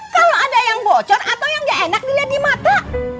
kalau ada yang bocor atau yang gak enak dilihat di mata